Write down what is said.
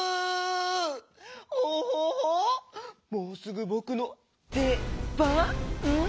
オホホもうすぐぼくのでばん？